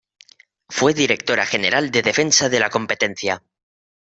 Fue Directora General de Defensa de la Competencia.